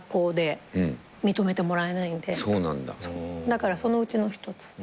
だからそのうちの一つ。